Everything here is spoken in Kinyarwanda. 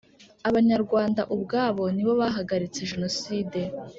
abanyarwanda ubwabo ni bo bahagaritse jenoside